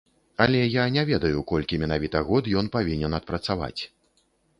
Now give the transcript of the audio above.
Але я не ведаю, колькі менавіта год ён павінен адпрацаваць.